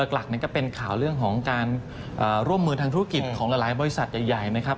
หลักก็เป็นข่าวเรื่องของการร่วมมือทางธุรกิจของหลายบริษัทใหญ่นะครับ